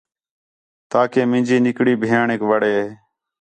تاکہ مینجی نِکڑی بھیݨیک وَڑے